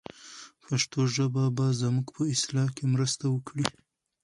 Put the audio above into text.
پښتو ژبه به زموږ په اصلاح کې مرسته وکړي.